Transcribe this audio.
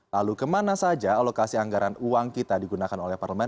lalu kemana saja alokasi anggaran uang kita digunakan oleh parlemen